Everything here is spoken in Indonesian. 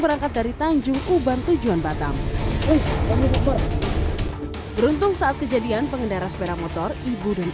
berangkat dari tanjung uban tujuan batam beruntung saat kejadian pengendara sepeda motor ibu dan